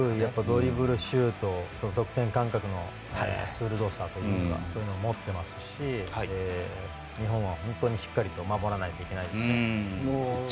ドリブル、シュート得点感覚の鋭さというかそういうのを持っていますし日本は本当にしっかりと守らないといけないですね。